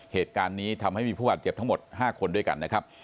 เหตุการณ์นี้ทำให้มีผู้บาดเจ็บทั้งหมด๕คนด้วยกันนะครับ